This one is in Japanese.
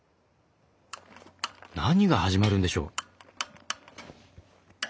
何が始まるんでしょう？